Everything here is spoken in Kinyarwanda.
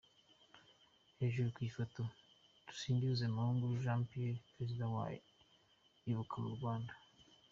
Hejuru ku ifoto:Dusingizemungu Jean Pierre Perezida wa Ibuka-Rwanda.